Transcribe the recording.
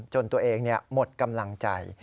จนตัวเองหมดกำลังใจ